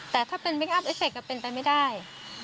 แต่ถ้าเป็นเคคอัพเอฟเคก็เป็นไปไม่ได้